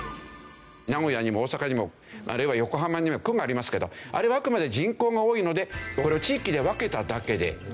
名古屋にも大阪にもあるいは横浜にも区がありますけどあれはあくまで人口が多いので地域で分けただけで。